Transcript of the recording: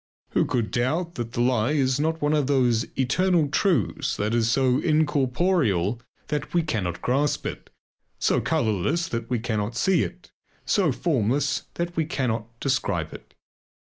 Who could doubt that the lie is not one of those eternal truths that is so incorporeal that we cannot grasp it, so colourless that we cannot see it, so formless that we cannot describe it.